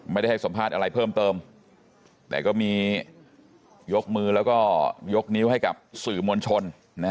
ให้สัมภาษณ์อะไรเพิ่มเติมแต่ก็มียกมือแล้วก็ยกนิ้วให้กับสื่อมวลชน